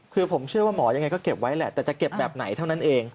คือผมเชื่อว่าหมอยังไงก็เก็บไว้แหละแต่จะเก็บแบบไหนเท่านั้นเอง